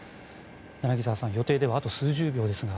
柳澤さん、予定ではあと数十秒ですが。